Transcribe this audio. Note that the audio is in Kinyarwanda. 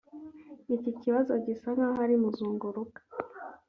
Iki kibazo gisa nkaho ari muzunguruka